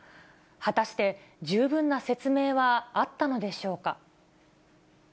果たして、十分な説明はあったのでしょうか。